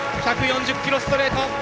１４０キロ、ストレート。